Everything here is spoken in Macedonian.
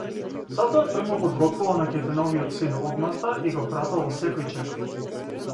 Затоа тој му подготвувал на Кејтеновиот син одмазда и го прател во секој чекор.